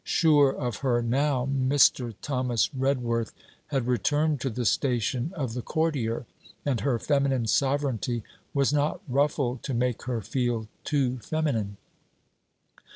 Sure of her now, Mr. Thomas Redworth had returned to the station of the courtier, and her feminine sovereignty was not ruffled to make her feel too feminine.